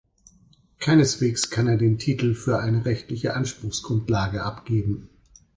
Keineswegs kann er den Titel für eine rechtliche Anspruchsgrundlage abgeben.